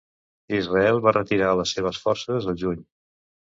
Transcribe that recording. Israel va retirar les seves forces al juny.